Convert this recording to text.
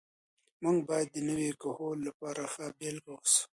موږ باید د نوي کهول لپاره ښه بېلګه واوسو.